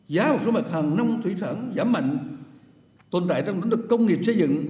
giá của số mặt hàng nông thủy sản giảm mạnh tồn tại trong những công nghiệp xây dựng